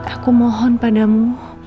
aku mohon padamu